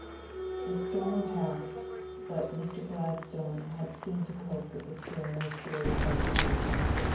The storm passed; but Mr. Gladstone had soon to cope with a still more serious agitation.